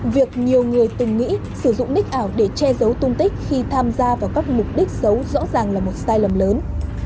việc nhiều người từng nghĩ sử dụng nick ảo để che giấu tung tích khi tham gia vào các mục đích xấu rõ ràng là một sai lầm lớn